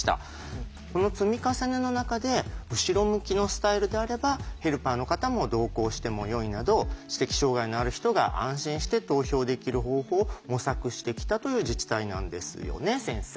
この積み重ねの中で後ろ向きのスタイルであればヘルパーの方も同行してもよいなど知的障害のある人が安心して投票できる方法を模索してきたという自治体なんですよね先生。